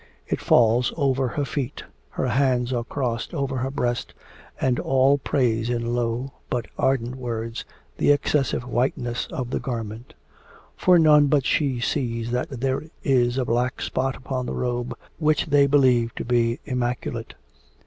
It falls over her feet, her hands are crossed over her breast, and all praise in low but ardent words the excessive whiteness of the garment. For none but she sees that there is a black spot upon the robe which they believe to be immaculate.